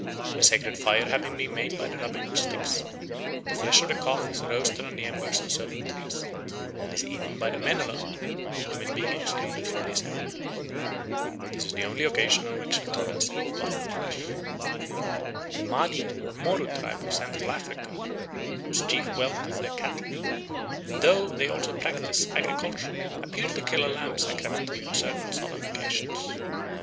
A sacred fire having been made by the rubbing of sticks, the flesh of the calf is roasted on the embers of certain trees, and is eaten by the men alone, women being excluded from the assembly. This is the only occasion on which the Todas eat buffalo flesh. The Madi or Moru tribe of Central Africa, whose chief wealth is their cattle, though they also practise agriculture, appear to kill a lamb sacramentally on certain solemn occasions.